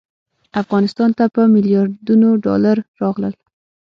افغانستان ته په میلیاردونو ډالر راغلل.